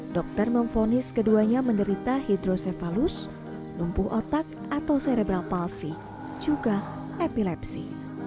dokter memfonis keduanya menderita hidrosefalus lumpuh otak atau serebral palsi juga epilepsi